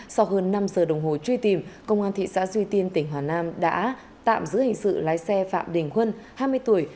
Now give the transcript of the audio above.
sau hơn năm giờ đồng hồ truy tìm công an thị xã duy tiên tỉnh hà nam đã tạm giữ hình sự lái xe phạm đình huân hai mươi tuổi